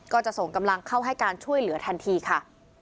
ก็จะส่งกำลังเข้าให้การช่วยเหลือทันทีค่ะ